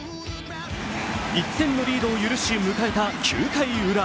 １点のリードを許し、迎えた９回のウラ。